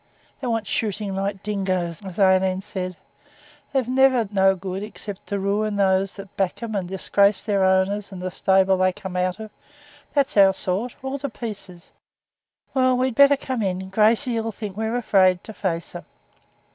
'"They want shooting like the dingoes," as Aileen said. They're never no good, except to ruin those that back 'em and disgrace their owners and the stable they come out of. That's our sort, all to pieces. Well, we'd better come in. Gracey 'll think we're afraid to face her.'